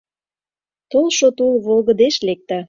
Толшо тул волгыдыш лекте.